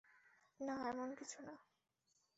না এমন কিছু না।